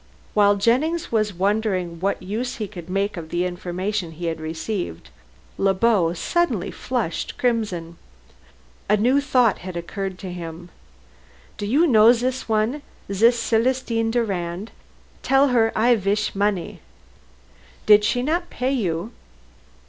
While Jennings was wondering what use he could make of the information he had received, Le Beau suddenly flushed crimson. A new thought had occurred to him. "Do you know zis one zis Celestine Durand? Tell her I vish money " "Did she not pay you?"